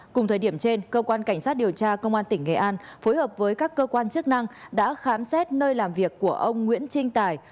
cùng thời điểm trên cơ quan cảnh sát điều tra công an tỉnh nghệ an phối hợp với các cơ quan chức năng đã khám xét nơi làm việc của ông nguyễn trinh tài